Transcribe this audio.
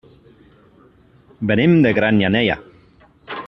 Venim de Granyanella.